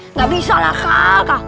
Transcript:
nggak bisa lah kak